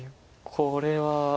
これは。